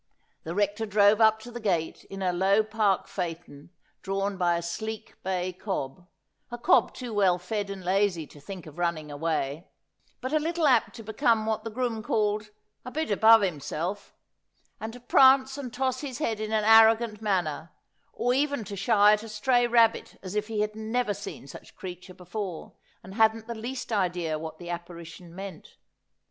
The Rector drove up to the gate in a low park phaeton, drawn by a sleek bay cob ; a cob too well fed and lazy to think of running away, but a little apt to become what the groom called ' a bit above himself,' and to prance and toss his head in an arrogant manner, or even to shy at a stray rabbit, as if he had never seen such a creature before, and hadn't the least idea what the apparition meant.